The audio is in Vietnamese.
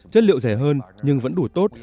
chất liệu rẻ hơn nhưng vẫn đủ tốt